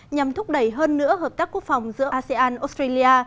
nhằm thúc đẩy hơn nữa hợp tác quốc phòng giữa asean australia